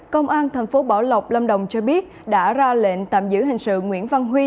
công an tp bảo lộc lâm đồng cho biết đã ra lệnh tạm giữ hành sự nguyễn văn huy